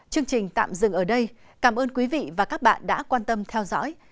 chương trình tạm dừng ở đây cảm ơn quý vị và các bạn đã quan tâm theo dõi